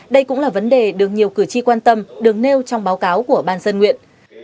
đây cũng là vấn đề được nhiều cử tri quan tâm được nêu trong báo cáo của ban dân nguyện